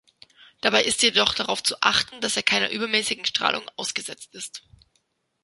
Dabei ist jedoch darauf zu achten, dass er keiner übermäßigen Strahlung ausgesetzt ist.